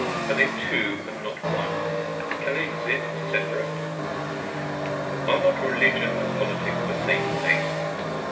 are they Two & not One? can they Exist Separate? 10 Are not Religion & Politics the Same Thing?